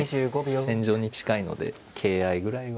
戦場に近いので桂合いぐらいは。